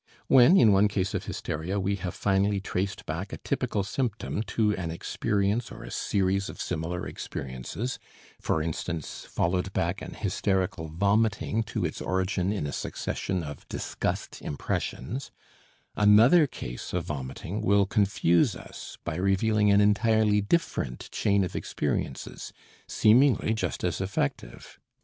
When, in one case of hysteria we have finally traced back a typical symptom to an experience or a series of similar experiences, for instance followed back an hysterical vomiting to its origin in a succession of disgust impressions, another case of vomiting will confuse us by revealing an entirely different chain of experiences, seemingly just as effective.